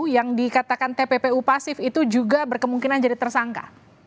yang dikatakan tppu pasif itu juga berkemungkinan jadi tersangka